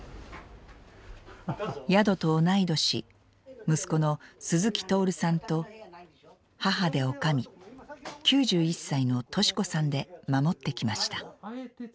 宿と同い年息子の鈴木徹さんと母で女将９１歳の敏子さんで守ってきました。